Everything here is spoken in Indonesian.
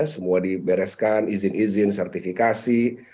semua dibereskan izin izin sertifikasi